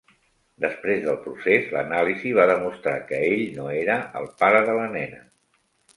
Després del procés, l'anàlisi va demostrar que ell no era el pare de la nena.